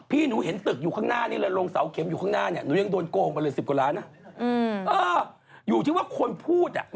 พี่หนูเห็นตึกอยู่ข้างหน้านี้เลยลงเสาเข็มอยู่ข้างหน้าเนี่ยหนูยังโดนโกงไปเลย๑๐กว่าล้านนะอยู่ที่ว่าคนพูดอ่ะ